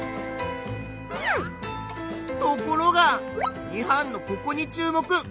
ところが２班のここに注目！